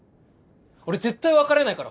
俺絶対別れないから。